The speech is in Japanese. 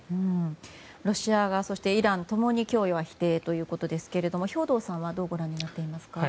ロシア、イラン共に供与は否定ということですが兵頭さんは、どうご覧になっていますか？